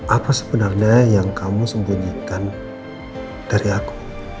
apa sebenarnya yang kamu sembunyikan dari aku